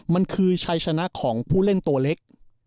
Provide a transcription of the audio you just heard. มันคือชัยชนะของผู้เล่นตัวเล็ก